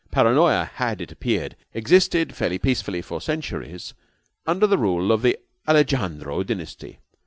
Paranoya had, it appeared, existed fairly peacefully for centuries under the rule of the Alejandro dynasty.